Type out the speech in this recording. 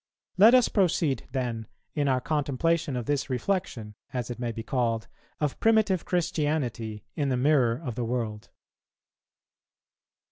Let us proceed then in our contemplation of this reflection, as it may be called of primitive Christianity in the mirror of the world.